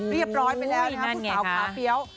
เรียบร้อยไปแล้วนะครับผู้สาวขาเฟี้ยว